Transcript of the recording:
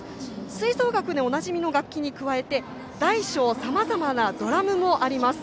吹奏楽でおなじみの楽器に加えて大小さまざまなドラムもあります。